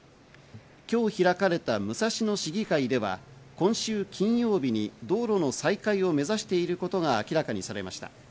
今日開かれた武蔵野市議会では今週金曜日に道路の再開を目指していることが明らかにされました。